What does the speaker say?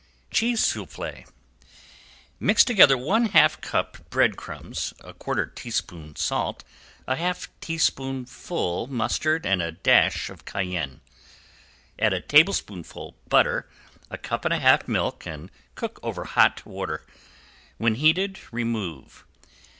~CHEESE SOUFFLE~ Mix together one half cup breadcrumbs, a quarter teaspoon salt, a half teaspoonful mustard and a dash of cayenne. Add a tablespoonful butter, a cup and a half milk and cook over hot water. When heated remove.